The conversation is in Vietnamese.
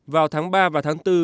vào tháng ba và tháng bốn